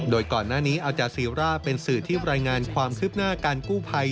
โดยก่อนหน้านี้อาจาซีร่าเป็นสื่อที่รายงานความคืบหน้าการกู้ภัย